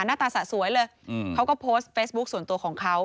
หน้าตาสะสวยเลยเขาก็โพสต์เฟซบุ๊คส่วนตัวของเขา